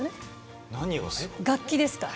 楽器ですから。